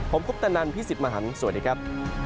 ผมคุปตะนันพี่สิทธิ์มหันฯสวัสดีครับ